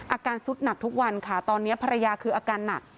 อาการสุดหนักทุกวันค่ะตอนนี้ภรรยาคืออาการหนัก